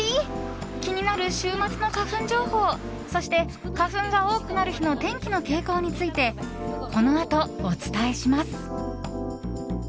気になる週末の花粉情報そして花粉が多くなる日の天気の傾向についてこのあとお伝えします。